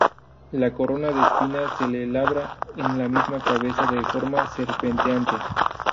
La corona de espina se labra en la misma cabeza de forma serpenteante.